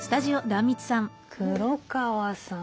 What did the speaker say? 黒川さん